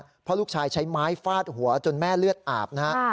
เพราะลูกชายใช้ไม้ฟาดหัวจนแม่เลือดอาบนะฮะ